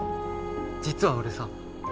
実は俺さ。